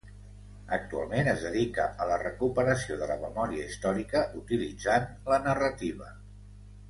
Actualment es dedica a la recuperació de la memòria històrica utilitzant la narrativa.